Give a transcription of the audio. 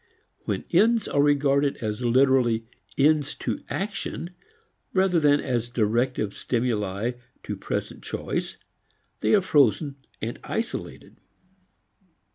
When ends are regarded as literally ends to action rather than as directive stimuli to present choice they are frozen and isolated.